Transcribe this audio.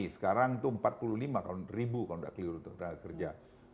sekarang itu empat puluh lima ribu kalau gak keliru kerja